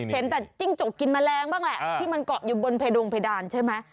เห็นแต่จิ้งจกกินแมลงบ้างแหละที่มันเกาะอยู่บนเพดงเพดานใช่ไหม